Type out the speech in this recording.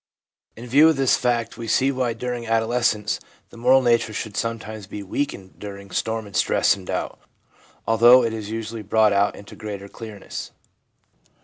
In view of this fact we see why during adolescence the moral nature should sometimes be weakened during storm and stress and doubt, although it is usually brought out into greater clearness.